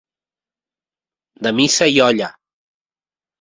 De missa i olla.